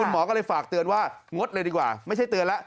หมอก็เลยฝากเตือนว่างดเลยดีกว่าไม่ใช่เตือนแล้ว